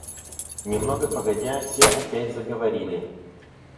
Немного погодя все опять заговорили.